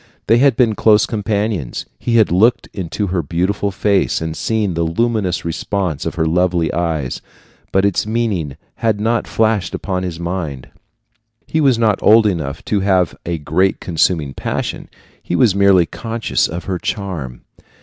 They had been close companions. He had looked into her beautiful face and seen the luminous response of her lovely eyes, but its meaning had not flashed upon his mind. He was not old enough to have a great consuming passion, he was merely conscious of her charm.